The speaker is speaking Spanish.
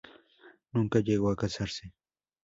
Nunca llegó a casarse.